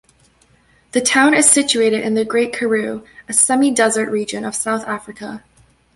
The town is situated in the Great Karoo, a semi-desert region of South-Africa.